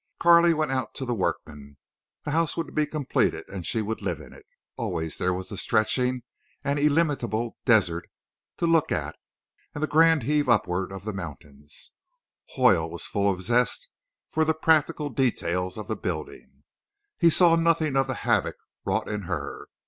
Carley went out to the workmen. The house should be completed and she would live in it. Always there was the stretching and illimitable desert to look at, and the grand heave upward of the mountains. Hoyle was full of zest for the practical details of the building. He saw nothing of the havoc wrought in her.